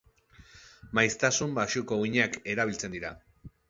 Maiztasun baxuko uhinak erabiltzen dira.